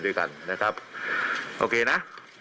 ด้วยกันนะครับโอเคนะ